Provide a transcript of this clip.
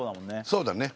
そうだね